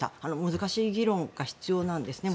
難しい議論が必要なんですね